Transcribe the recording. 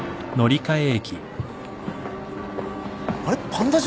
・あれパンダじゃん？